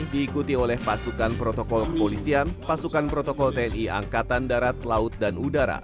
diikuti oleh pasukan protokol kepolisian pasukan protokol tni angkatan darat laut dan udara